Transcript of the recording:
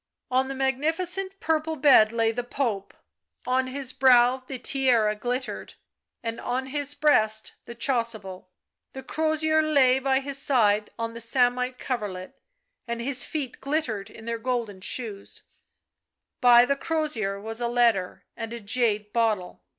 On the magnificent purple bed lay the Pope ; on his brow the tiara glittered, and on his breast the chasuble ; the crozier lay by his side on the samite coverlet, and his feet glittered in their golden shoes ; by the crozier was a letter and a jade bottle.